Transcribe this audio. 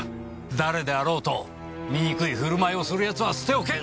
誰であろうと醜い振る舞いをする奴は捨て置けん！